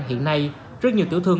hiện nay rất nhiều tiểu thương